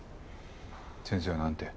先生はなんて？